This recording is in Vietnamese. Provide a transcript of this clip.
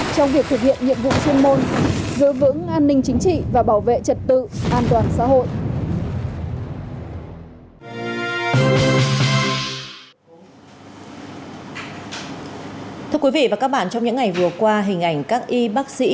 trong việc thực hiện nhiệm vụ chuyên môn giữ vững an ninh chính trị và bảo vệ trật tự an toàn xã hội